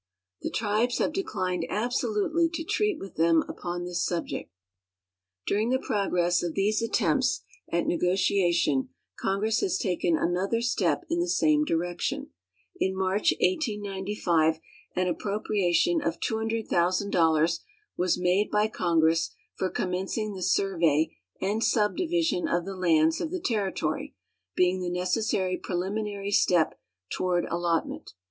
The tribes have declined abso lutely to treat with them upon this subject. During the progress of these attempts at negotiation Congress has taken another step in the same direction. In March, 1895, an appropriation of 8200.000 was made by Congress for commencing the survey and subdivision of the lands of the Territory, being the necessary ])reliminaiw step toward allotment.